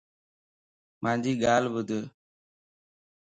مانجي ڳالھ ٻڌ